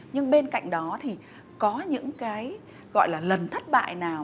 nhưng bên cạnh đó thì có những cái gọi là lần thất bại nào